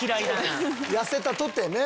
痩せたとてね。